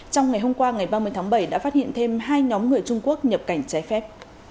trong ngày hôm qua ngày ba mươi tháng bảy đã phát hiện thêm hai nhóm người trung quốc nhập cảnh trái phép